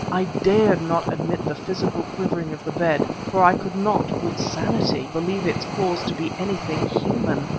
I dared not admit the physical quivering of the bed, for I could not, with sanity, believe its cause to be anything human.